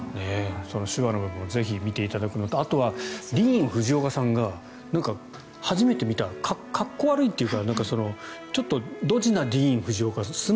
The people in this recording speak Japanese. その手話の部分をぜひ見ていただくのとあとはディーン・フジオカさんが初めて見たかっこ悪いというかドジなディーン・フジオカさん